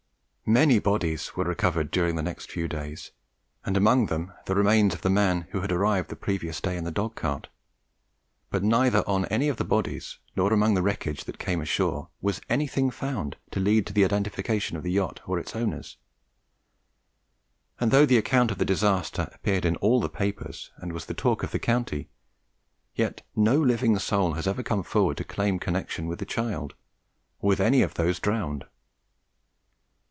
Many bodies were recovered during the next few days, and among them the remains of the man who had arrived the previous day in the dog cart; but neither on any of the bodies, nor among the wreckage that came ashore, was anything found to lead to the identification of the yacht or its owners; and though the account of the disaster appeared in all the papers and was the talk of the county, yet no living soul has ever come forward to claim connection with the child or with any of those drowned.